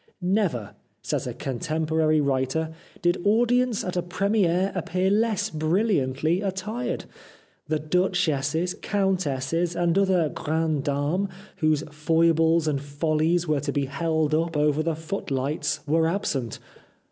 " Never," says a contemporary writer, " did audience at a premiere appear less brilliantly attired. The duchesses, countesses, and other grandes dames whose foibles and follies were to be held up over the 319 The Life of Oscar Wilde footlights were absent.